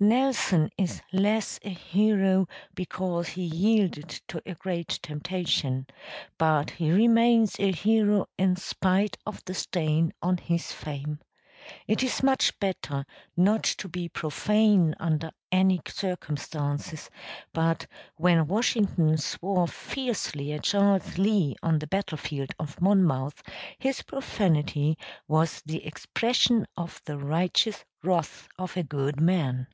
Nelson is less a hero because he yielded to a great temptation; but he remains a hero in spite of the stain on his fame. It is much better not to be profane under any circumstances, but when Washington swore fiercely at Charles Lee on the battle field of Monmouth his profanity was the expression of the righteous wrath of a good man.